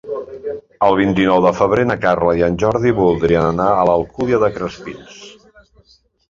El vint-i-nou de febrer na Carla i en Jordi voldrien anar a l'Alcúdia de Crespins.